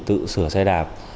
tự sửa xe đạp